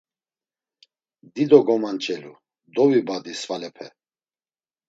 Dido gomanç̌elu dovibadi svalepe.